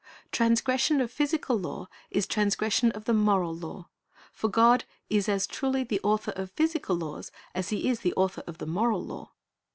Transgression of physical law is transgression of the moral law; for God is as truly the author of physical laws as He is the author of the moral law.